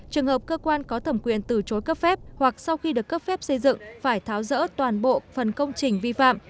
trường hợp cơ quan có thẩm quyền từ chối cấp phép hoặc sau khi được cấp phép xây dựng phải tháo rỡ toàn bộ phần công trình vi phạm